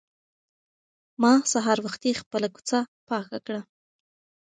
ما سهار وختي خپله کوڅه پاکه کړه.